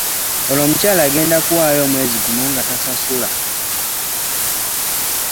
Ono omukyaala ngenda kumuwaayo omwezi gumu nga tasasula.